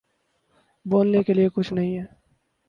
بولنے کے لیے کچھ نہیں ہے